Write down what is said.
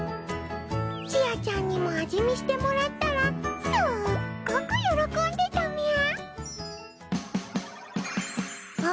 ちあちゃんにも味見してもらったらすごく喜んでたみゃ！